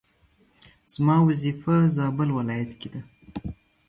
زما وظيفه زابل ولايت کي ده